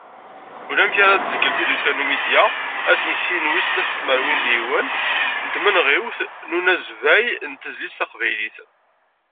Ulamek ara tezgel tdukkla Numidya asmekti wis snat n tmerwin d yiwen n tmenɣiwt n unazbay n tezlit taqbaylit.